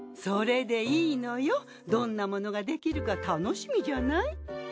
それでいいのよどんなものが出来るか楽しみじゃない？